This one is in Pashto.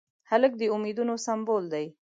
هلک د امیدونو سمبول دی.